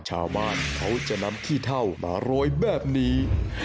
ชาวบ้านเขาจะนำขี้เท่ามาโรยแบบนี้